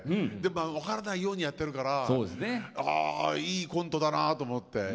分からないようにやってるからいいコントだなと思って。